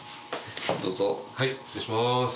どうぞはい失礼します